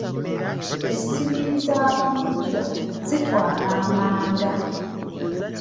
Essigiri za bulijjo zitwala amanda.